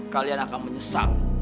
kalian akan menyesal